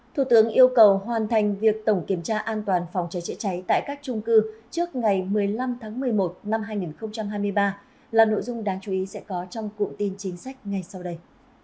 thủ tướng yêu cầu hoàn thành việc tổng kiểm tra an toàn phòng cháy chữa cháy tại các trung cư trước ngày một mươi năm tháng một mươi một năm hai nghìn hai mươi ba là nội dung đáng chú ý sẽ có trong cụm tin chính sách ngay sau đây